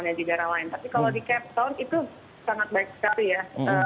atau di daerah lain tapi kalau di cape town itu sangat baik sekali ya